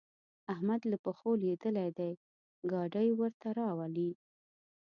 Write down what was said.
احمد له پښو لوېدلی دی؛ ګاډی ورته راولي.